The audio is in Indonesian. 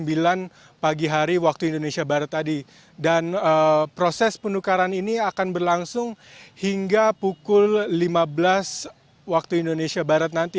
pukul sembilan pagi hari waktu indonesia barat tadi dan proses penukaran ini akan berlangsung hingga pukul lima belas waktu indonesia barat nanti